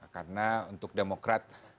karena untuk demokrat